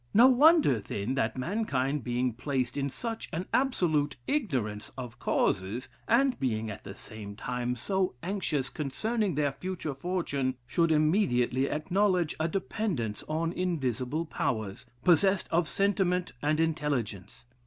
No wonder, then, that mankind, being placed in such an absolute ignorance of causes, and being at the same time so anxious concerning their future fortune, should immediately acknowledge a dependence on invisible powers, possessed of sentiment and intelligence.